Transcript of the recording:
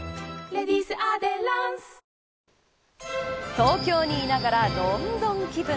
東京にいながらロンドン気分。